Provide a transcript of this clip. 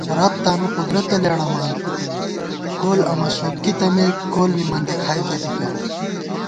رب تانُوقدرت لېڑَمان کول امہ سوتگی تمېک کول بی مندہ کھائیکےدِکہ